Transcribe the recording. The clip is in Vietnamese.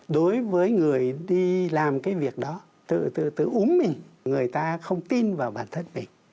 đối với người đi làm cái việc đó tự uống mình người ta không tin vào bản thân mình